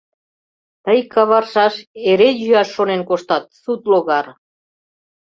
— Тый, каваршаш... эре йӱаш шонен коштат, сут логар!..